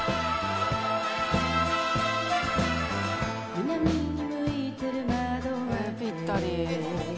「南にむいてる窓をあけ」ぴったり。